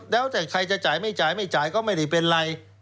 แล้วแต่ใครจะจ่ายไม่จ่ายไม่จ่ายก็ไม่ได้เป็นไร